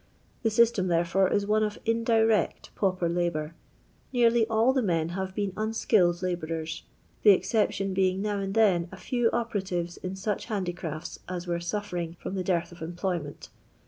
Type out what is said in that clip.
The system, therefore, is one of indirect pauper labour. Nearly all the men have been unskilled labourers, the exception being now and then a few operatives in such handicrafu as were suffering from the dearth of employment.